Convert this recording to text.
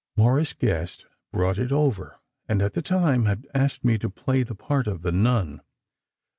Morris Gest brought it over, and at the time had asked me to play the part of the nun.